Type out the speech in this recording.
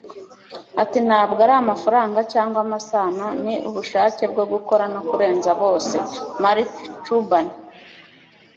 ati ntabwo ari amafaranga cyangwa amasano - ni ubushake bwo gukora no kurenza bose. - mark cuban